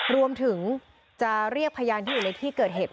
รวมถึงจะเรียกพยานที่อยู่ในที่เกิดเหตุ